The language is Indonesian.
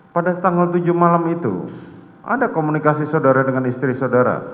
pada tanggal tujuh malam itu ada komunikasi saudara dengan istri saudara